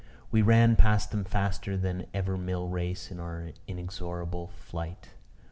We ran past them faster than ever mill race in our inexorable flight.